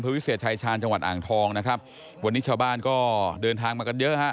วิเศษชายชาญจังหวัดอ่างทองนะครับวันนี้ชาวบ้านก็เดินทางมากันเยอะฮะ